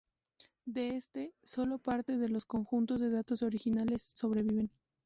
De este, sólo parte de los conjuntos de datos originales sobreviven.